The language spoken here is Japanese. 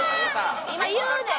今言うねん！